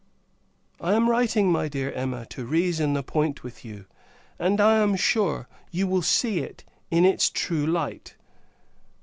I am writing, my dear Emma, to reason the point with you; and, I am sure, you will see it in its true light.